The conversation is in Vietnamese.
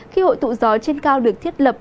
khi hội tụ gió trên cao được thiết lập